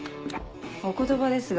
お言葉ですが。